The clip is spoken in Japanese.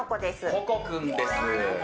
ココ君です。